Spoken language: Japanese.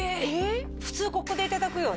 普通ここでいただくよね